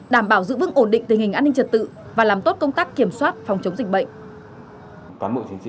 đảm bảo giữ vững ổn định tình hình an ninh trật tự và làm tốt công tác kiểm soát phòng chống dịch bệnh